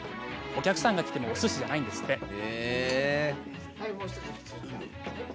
お客さんが来てもおすしじゃないんですって。